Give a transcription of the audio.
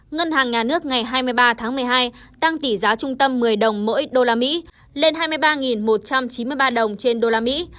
ngân hàng nhà nước ngày hai mươi ba tháng một mươi hai tăng tỷ giá trung tâm một mươi đồng mỗi đô la mỹ lên hai mươi ba một trăm chín mươi ba đồng trên đô la mỹ